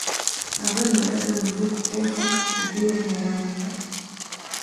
هغه نادره انځور خپور کړ چې ډېر حیران یې کړل.